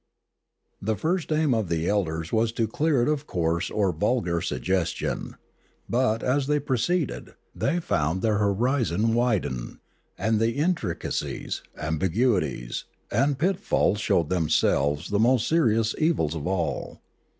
The first aim of the elders was to clear it of coarse or vulgar suggestion. But, as they proceeded, they found their horizon widen; and the intricacies, ambiguities, and pitfalls showed themselves the most serious evils of all.